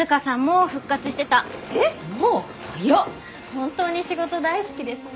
本当に仕事大好きですね。